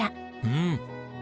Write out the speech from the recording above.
うん。